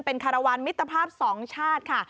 เป็นคารวรรณมิตรภาพ๒ชาติค่ะ